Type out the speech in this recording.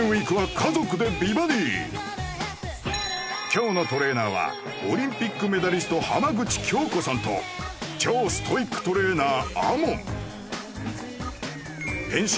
今日のトレーナーはオリンピックメダリスト浜口京子さんと超ストイックトレーナーＡＭＯＮ